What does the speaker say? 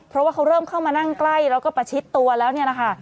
เพราะว่าเขาเริ่มเข้ามานั่งใกล้แล้วก็ประชิดตัวแล้วเนี่ยนะคะ